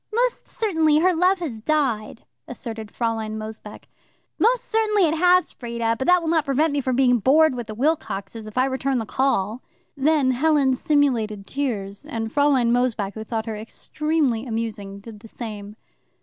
"Most certainly her love has died," asserted Fraulein Mosebach. "Most certainly it has, Frieda, but that will not prevent me from being bored with the Wilcoxes if I return the call." Then Helen simulated tears, and Fraulein Mosebach, who thought her extremely amusing, did the same.